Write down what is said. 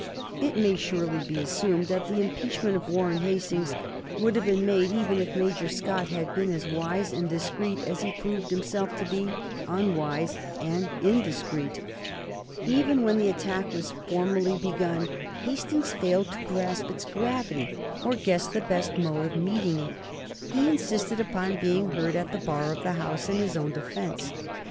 It may surely be assumed that the impeachment of Warren Hastings would have been made even if Major Scott had been as wise and discreet as he proved himself to be unwise and indiscreet. Even when the attack was formally begun, Hastings failed to grasp its gravity or guess the best mode of meeting it. He insisted upon being heard at the Bar of the House in his own defence.